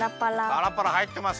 パラパラはいってます。